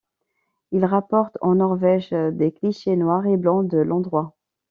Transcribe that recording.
Ils rapportent en Norvège des clichés noir et blanc de l'endroit.